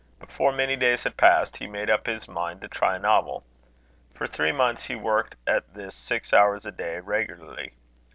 Before many days had passed he made up his mind to try a novel. For three months he worked at this six hours a day regularly.